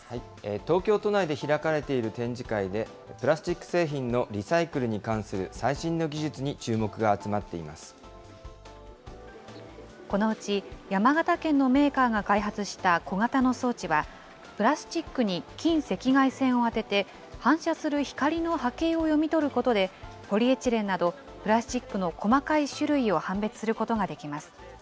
東京都内で開かれている展示会で、プラスチック製品のリサイクルに関する最新の技術に注目が集まっこのうち山形県のメーカーが開発した小型の装置は、プラスチックに近赤外線を当てて、反射する光の波形を読み取ることで、ポリエチレンなど、プラスチックの細かい種類を判別することができます。